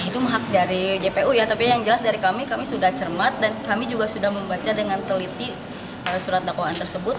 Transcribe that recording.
itu hak dari jpu ya tapi yang jelas dari kami kami sudah cermat dan kami juga sudah membaca dengan teliti surat dakwaan tersebut